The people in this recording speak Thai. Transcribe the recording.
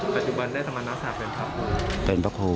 ปัจจุบันธุ์ได้ทางมหคาเป็นพระครู